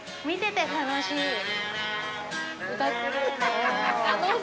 見てて楽しい！